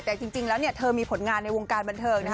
แต่จริงแล้วเธอมีผลงานในวงการบันเทิง